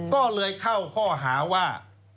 ก็เลยเข้าข้อหาว่า